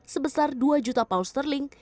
sebesar dua juta pound sterling